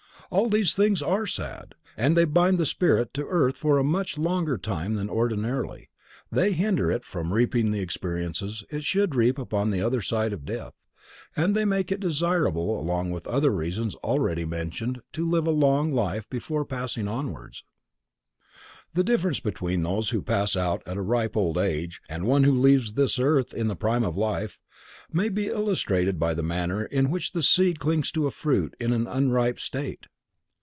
All these things are sad, and they bind the spirit to earth for a much longer time than ordinarily, they hinder it from reaping the experiences it should reap upon the other side of death, and they make it desirable along with other reasons already mentioned to live a long life before passing onwards. The difference between those who pass out at a ripe old age, and one who leaves this earth in the prime of life, may be illustrated by the manner in which the seed clings to a fruit in an unripe state.